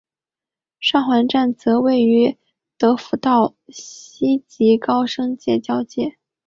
上环站则位于德辅道西及高升街交界。